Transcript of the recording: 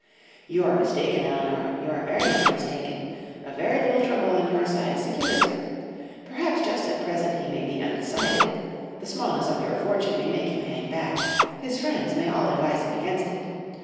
"'You are mistaken, Elinor; you are very much mistaken. A very little trouble on your side secures him. Perhaps just at present he may be undecided; the smallness of your fortune may make him hang back; his friends may all advise him against it.